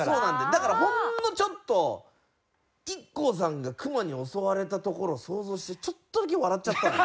だからほんのちょっとＩＫＫＯさんがクマに襲われたところを想像してちょっとだけ笑っちゃったの。